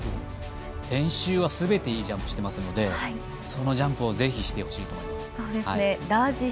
練習はすべていいジャンプしてますのでそのジャンプをぜひしてほしいと思います。